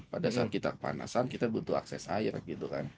pada saat kita kepanasan kita butuh akses air gitu kan